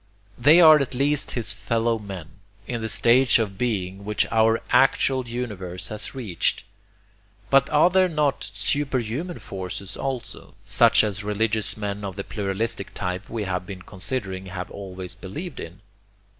They are at least his fellow men, in the stage of being which our actual universe has reached. But are there not superhuman forces also, such as religious men of the pluralistic type we have been considering have always believed in?